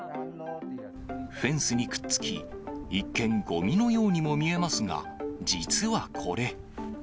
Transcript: フェンスにくっつき、一見、ごみのようにも見えますが、実はこれ。